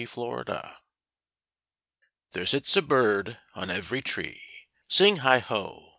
SING HEIGH HO! There sits a bird on every tree; Sing heigh ho!